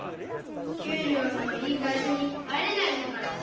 給りょうのいい会社に入れないんだから。